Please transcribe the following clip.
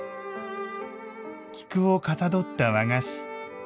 菊をかたどった和菓子。